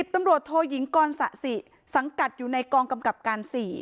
๑๐ตำลดโทยิงกศสังกัดอยู่ในกองกำกับการ๔